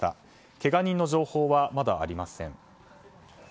けが人の情報はまだありません。